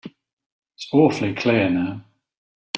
It's awfully clear now.